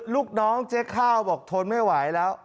ลูกน้องเจ๊ข้าวบอกทนไม่ไหวแล้ว